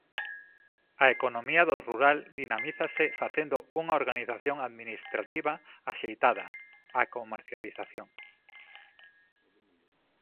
A economía do rural dinamízase facendo unha organización administrativa axeitada: a comarcalización.